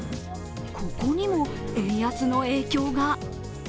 ここにも円安の影響が。